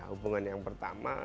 hubungan yang pertama